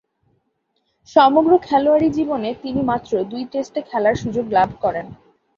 সমগ্র খেলোয়াড়ী জীবনে তিনি মাত্র দুই টেস্টে খেলার সুযোগ লাভ করেন।